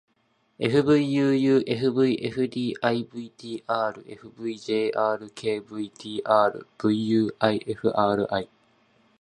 fvuufvfdivtrfvjrkvtrvuifri